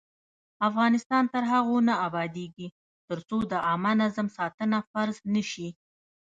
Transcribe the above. افغانستان تر هغو نه ابادیږي، ترڅو د عامه نظم ساتنه فرض نشي.